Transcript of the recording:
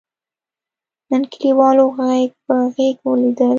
نن کلیوالو غېږ په غېږ ولیدل.